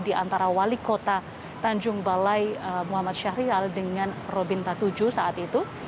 di antara wali kota tanjung balai muhammad syahrial dengan robin patuju saat itu